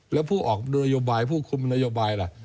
แล้วผู้ออกนโยบายผู้คุมนโยบายล่ะ